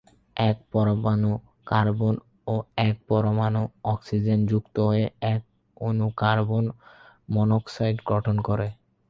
এক পরমাণু কার্বন ও এক পরমাণু অক্সিজেন যুক্ত হয়ে এক অণু কার্বন মনোক্সাইড গঠন করে।